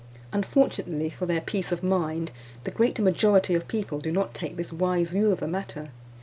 Unfortunately for their peace of mind, the great majority of people do not take this wise view of the matter.